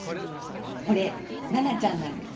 これ奈々ちゃんなんです。